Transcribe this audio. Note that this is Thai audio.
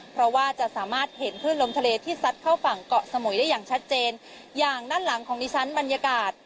เพราะว่าจะสามารถเห็นคลื่นลมทะเลที่ซัดเข้าฝั่งเกาะสมุยได้อย่างชัดเจนอย่างด้านหลังของดิฉันบรรยากาศ